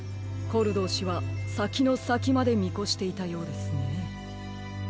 コルドー氏はさきのさきまでみこしていたようですね。